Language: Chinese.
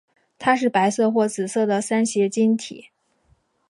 它是白色或紫色的三斜晶体。